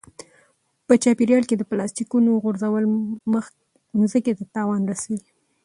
په چاپیریال کې د پلاستیکونو غورځول مځکې ته تاوان رسوي.